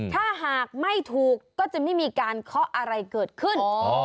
ถ้าหากไม่ถูกก็จะไม่มีการเคาะอะไรเกิดขึ้น